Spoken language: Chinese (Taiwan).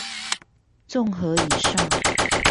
綜合以上